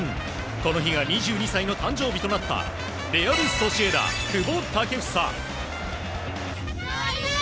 この日が２２歳の誕生日となったレアル・ソシエダ、久保建英。